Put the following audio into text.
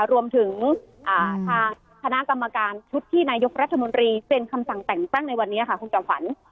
รวมถึงทางคณะกรรมการชุดที่นายกรัฐมนตรีเซ็นคำสั่งแต่งตั้งในวันนี้ค่ะคุณจอมขวัญ